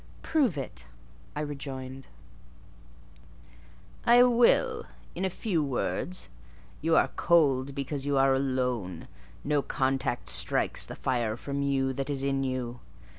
"Prove it," I rejoined. "I will, in few words. You are cold, because you are alone: no contact strikes the fire from you that is in you.